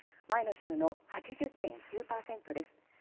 前の週の８０．９％です。